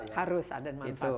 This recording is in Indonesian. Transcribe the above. harus ada manfaatnya